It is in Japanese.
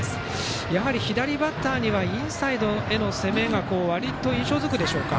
やはり左バッターにはインサイドへの攻めがわりと印象づくでしょうか。